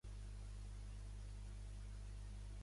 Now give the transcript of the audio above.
Així, la fiscalia espanyola demana que s’arxivi el procediment.